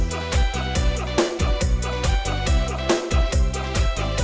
อย่างนั้นเราไปทำเมนูกันดีกว่านะคะ